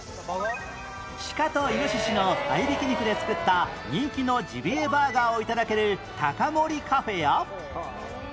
鹿と猪の合い挽き肉で作った人気のジビエバーガーを頂けるたか森カフェや